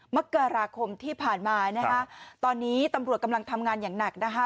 มกราคมที่ผ่านมานะคะตอนนี้ตำรวจกำลังทำงานอย่างหนักนะคะ